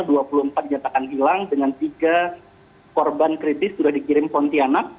dua puluh empat dinyatakan hilang dengan tiga korban kritis sudah dikirim pontianak